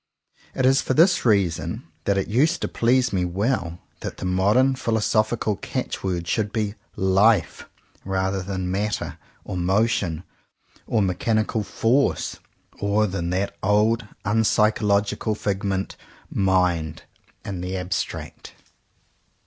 It is for this reason that it used to please me well that the modern philosophical catch word should be "Life," rather than "Matter" or "Motion" or mechanical "F'orce" or than that old unpsychological figment, "Mind" in the abstract.